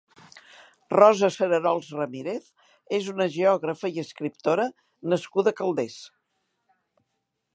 Rosa Cerarols Ramírez és una geògrafa i escriptora nascuda a Calders.